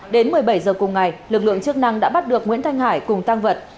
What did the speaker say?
đến một mươi bảy h cùng ngày lực lượng chức năng đã bắt được nguyễn thanh hải cùng tăng vật